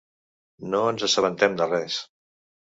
No ens assabentem de res.